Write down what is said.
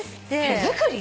手作り？